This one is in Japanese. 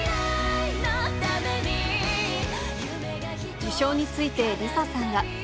受賞について、ＬｉＳＡさんは。